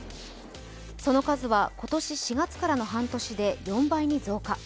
その数は今年４月からの半年で４倍に増加。